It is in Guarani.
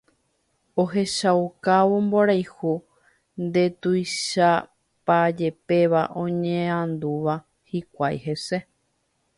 ohechaukávo mborayhu ndetuichapajepéva oñandúva hikuái hese.